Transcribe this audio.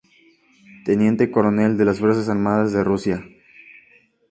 Teniente Coronel de las Fuerzas Armadas de Rusia.